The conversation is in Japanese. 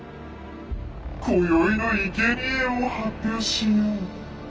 こよいのいけにえを発表しよう。